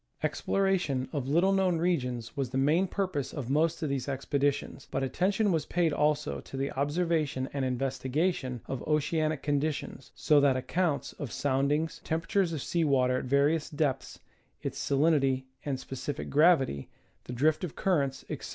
Exploration of little known regions was the main purpose of most of these expeditions, but attention was paid also to the ob servation and investigation of oceanic conditions, so that accounts of soundings, temperatures of sea water at various depths, its sa linity and specific gravity, the drift of currents, etc.